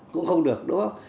cũng không được đúng không